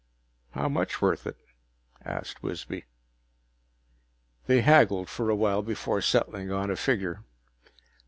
"How much worth it?" asked Wisby. They haggled for a while before settling on a figure.